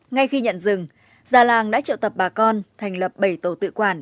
ngay khi nhận rừng già làng đã triệu tập bà con thành lập bảy tổ tự quản